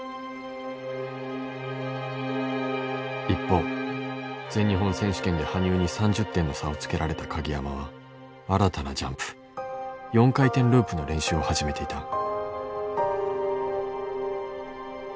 一方全日本選手権で羽生に３０点の差をつけられた鍵山は新たなジャンプ４回転ループの練習を始めていた。